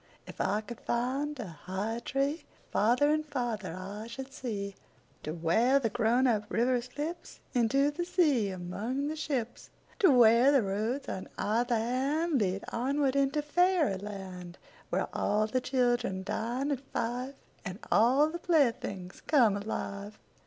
If I could find a higher treeFarther and farther I should see, To where the grown up river slipsInto the sea among the ships. To where the roads on either handLead onward into fairy land, Where all the children dine at five, And all the playthings come alive.